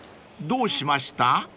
［どうしました？］